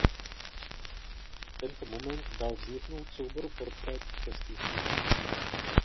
Tento moment dal vzniknout souboru portrétů českých lidí.